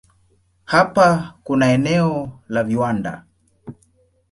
Hapa kuna eneo la viwanda.